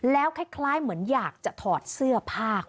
แล้วคล้ายเหมือนอยากจะถอดเสื้อผ้า